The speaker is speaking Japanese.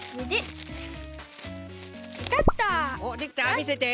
みせて。